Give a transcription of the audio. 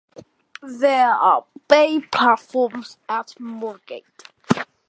There are bay platforms at Moorgate.